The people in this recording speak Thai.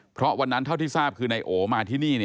เพราะวันนั้นเท่าที่ทราบคือนายโอมาที่นี่